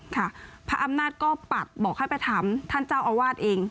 ค่ะพระอำนาจก็ปัดบอกให้ไปถามท่านเจ้าอาวาสเอง